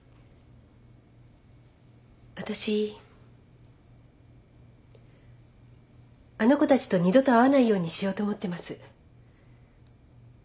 私あの子たちと二度と会わないようにしようと思ってます。